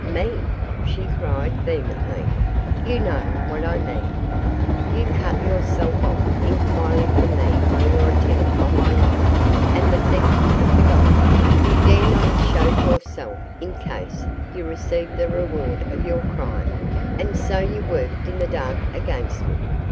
'Mean?' she cried, vehemently; 'you know what I mean. You cut yourself off entirely from me by your attempt on my life, and the theft of the gold; you dare not have showed yourself in case you received the reward of your crime; and so you worked in the dark against me.